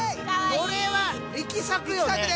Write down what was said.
これは力作よね。